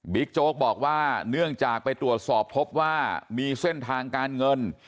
โจ๊กบอกว่าเนื่องจากไปตรวจสอบพบว่ามีเส้นทางการเงิน